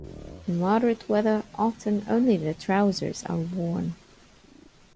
In moderate weather often only the trousers are worn.